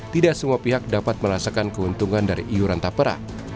tidak semua pihak dapat merasakan keuntungan dari iuran tapera